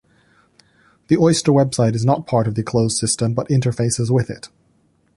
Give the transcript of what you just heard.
The Oyster website is not part of the closed system but interfaces with it.